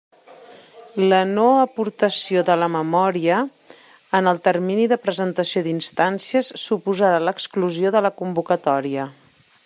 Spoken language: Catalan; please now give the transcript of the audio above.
La no-aportació de la memòria, en el termini de presentació d'instàncies, suposarà l'exclusió de la convocatòria.